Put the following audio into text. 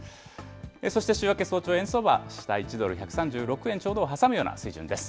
そして週明け早々、円相場、１ドル１３５円を挟むような水準です。